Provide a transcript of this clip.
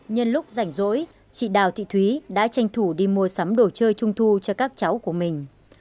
nhân lúc rảnh rỗi chị đào thị thúy đã tranh thủ đi mua sắm đồ chơi trung thu cho các cháu của mình